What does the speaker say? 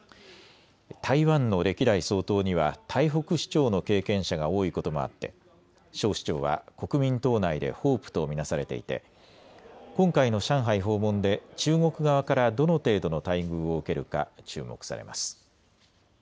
台湾の歴代総統には台北市長の経験者が多いこともあって蒋市長は国民党内でホープと見なされていて今回の上海訪問で中国側からどの程度の待遇を受けるか注目されます。